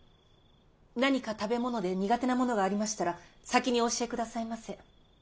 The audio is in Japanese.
何か食べ物で苦手なものがありましたら先にお教えくださいませ。